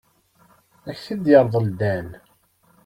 Ad ak-t-yerḍel Dan.